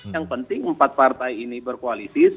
yang penting empat partai ini berkoalisi